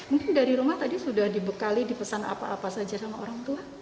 mungkin dari rumah tadi sudah dibekali dipesan apa apa saja sama orang tua